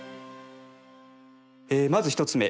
まず１つ目